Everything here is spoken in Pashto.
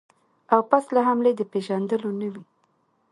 او پس له حملې د پېژندلو نه وي.